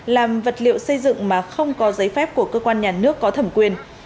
làm vật liệu xây dựng mà không có giấy phép của cơ quan nhà nước có thẩm quyền